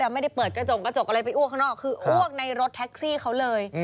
ไม่ได้เปิดกระจกกระจกอะไรไปอ้วกข้างนอกคืออ้วกในรถแท็กซี่เขาเลย